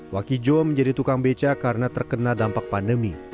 wakijo menjadi tukang beca karena terkena dampak pandemi